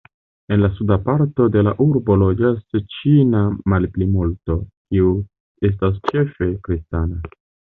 En la suda parto de la urbo loĝas ĉina malplimulto, kiu estas ĉefe kristana.